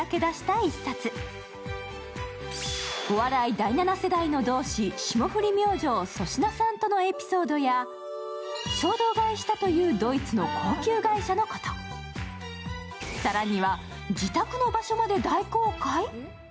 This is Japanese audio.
第７世代の同志、霜降り明星・粗品さんとのエピソードや、衝動買いしたというドイツの高級外車のこと、更には自宅の場所まで大公開？